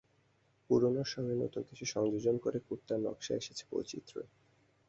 পুরোনোর সঙ্গে নতুন কিছু সংযোজন করে কুর্তার নকশায় এসেছে বৈচিত্র্য।